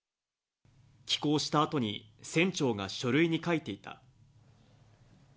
帰港したあとに船長が書類に書いていた。